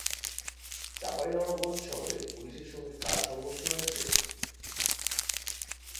চাঁপাইনবাবগঞ্জ শহরে পুলিশের সঙ্গে কার সংঘর্ষ হয়েছে?